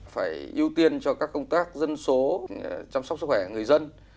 phải ưu tiên cho các công tác dân số chăm sóc sức khỏe người dân